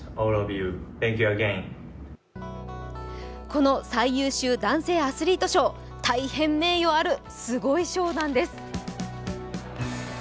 この最優秀男性アスリート賞大変名誉あるすごい賞なんです。